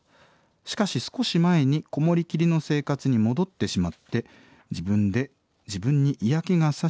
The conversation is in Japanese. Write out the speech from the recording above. しかし少し前にこもりきりの生活に戻ってしまって自分で自分に嫌気がさして落ち込んでいました。